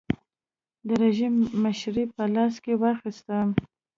د رژیم مشري یې په لاس کې واخیسته.